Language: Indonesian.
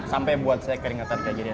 sampai buat saya keringetan kayak gini